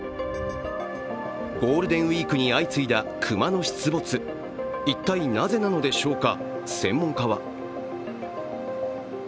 ゴールデンウイークに相次いだ熊の出没、一体、なぜなのでしょうか。